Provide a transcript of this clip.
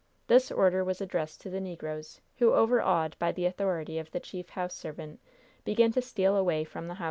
This order was addressed to the negroes, who, overawed by the authority of the chief house servant, began to steal away from the house.